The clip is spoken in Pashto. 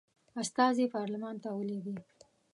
استازي پارلمان ته ولیږي.